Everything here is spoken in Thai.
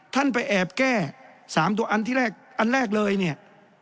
ท่านไปแอบแก้๓ตัวอันที่แรกอันแรกเลยเนี่ย